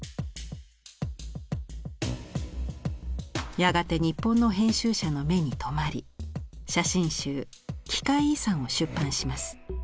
やがて日本の編集者の目に留まり写真集「奇界遺産」を出版します。